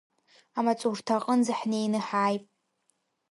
Амаҵурҭа аҟынӡа ҳнеины ҳааип.